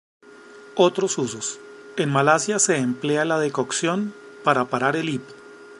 Otros usos: En Malasia se emplea la decocción para parar el hipo.